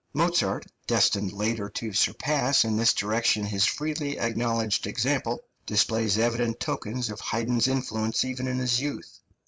Mozart, destined later to surpass in this direction his freely acknowledged example, displays evident tokens of Haydn's influence even in his youth.